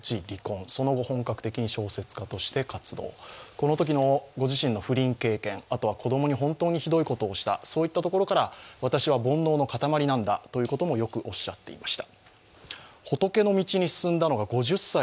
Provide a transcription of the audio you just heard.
このときのご自身の不倫経験、後は子供に本当にひどいことをしたそういったところから、私は煩悩の塊なんだということもよくおっしゃっていました。